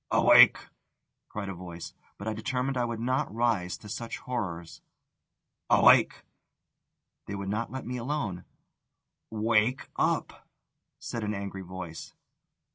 "Awake!" cried a voice; but I determined I would not rise to such horrors. "Awake!" They would not let me alone. "Wake up!" said an angry voice.